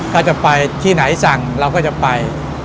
ถ้าจะไปที่ไหนสั่งเราก็จะไป